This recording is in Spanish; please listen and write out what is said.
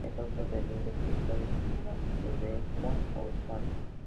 Es autor de libros de historietas como "La Sudestada" o "Sarna".